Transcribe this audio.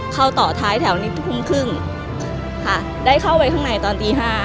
เข้าต่อท้ายแถวนี้ทุ่มครึ่งค่ะได้เข้าไปข้างในตอนตี๕